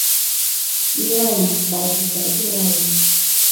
Илайым, Балбикә, илайым!